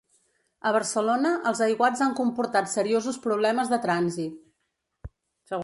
A Barcelona, els aiguats han comportat seriosos problemes de trànsit.